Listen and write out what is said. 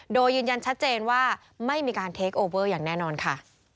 โดยยืนยันชัดเจนว่าไม่มีการเทคโอเวอร์อย่างแน่นอนค่ะ